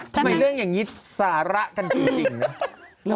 ทำไมเรื่องอย่างนี้สาระกันจริงนะ